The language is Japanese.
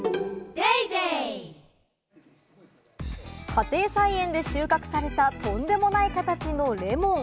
家庭菜園で収穫された、とんでもない形のレモン。